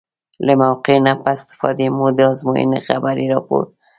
له موقع نه په استفادې مو د ازموینې خبري راپور ولیکه.